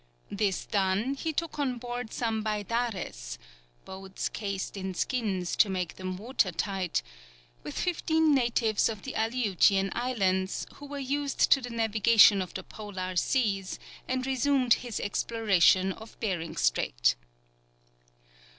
This done, he took on board some baidares (boats cased in skins to make them water tight), with fifteen natives of the Aleutian Islands, who were used to the navigation of the Polar seas, and resumed his exploration of Behring Strait.